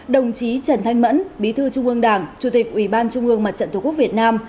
đồng chí trần thanh mẫn bí thư trung ương đảng chủ tịch ủy ban trung ương mặt trận tổ quốc việt nam